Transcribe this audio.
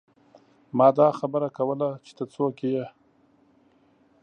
ما دا خبره کوله چې ته څوک يې ۔